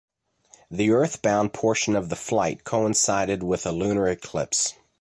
The Earth bound portion of the flight coincided with a lunar eclipse.